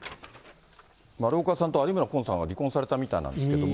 丸岡さんと有村昆さんが離婚されたみたいなんですけども。